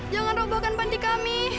jangan rubahkan panti kami